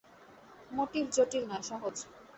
Motive জটিল নয়, সহজ।